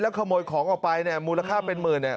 ขโมยของออกไปเนี่ยมูลค่าเป็นหมื่นเนี่ย